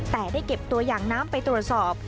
แต่ได้เก็บตัวอย่างน้ำไปตรวจสอบ